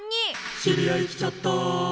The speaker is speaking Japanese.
「知り合い来ちゃった」